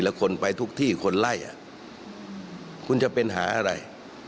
แล้วคนไปทุกที่คนไล่คุณจะเป็นหาอะไร